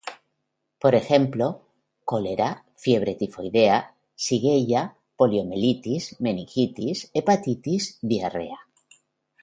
Por ejemplo cólera, fiebre tifoidea, shigella, poliomielitis, meningitis, hepatitis, diarrea.